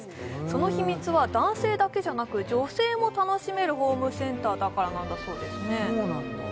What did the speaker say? その秘密は男性だけじゃなく女性も楽しめるホームセンターだからなんだそうですねそうなんだ